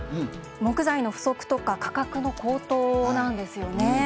木材の不足とか価格の高騰なんですよね。